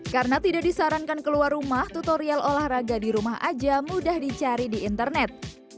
karena tidak disarankan keluar rumah tutorial olahraga di rumah aja mudah dicari di internet